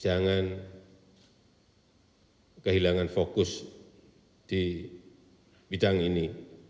jangan kehilangan fokus di bidang ini